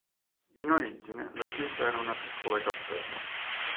In origine la chiesa era una piccola cappella.